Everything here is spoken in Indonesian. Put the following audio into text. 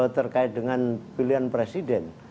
terkait dengan pilihan presiden